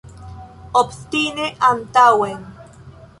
Obstine antaŭen!